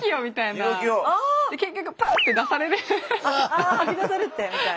あ吐き出されてみたいな。